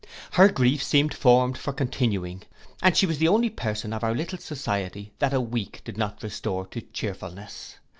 Her grief seemed formed for continuing, and she was the only person of our little society that a week did not restore to cheerfulness.